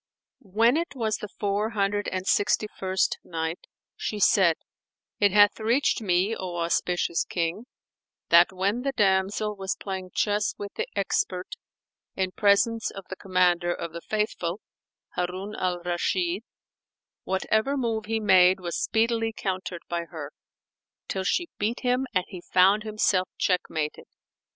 When it was the Four Hundred and Sixty first Night, She said, It hath reached me, O auspicious King, that when the damsel was playing chess with the expert in presence of the Commander of the Faithful, Harun al Rashid, whatever move he made was speedily countered by her, till she beat him and he found himself checkmated.